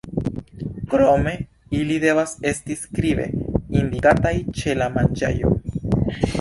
Krome ili devas esti skribe indikataj ĉe la manĝaĵo.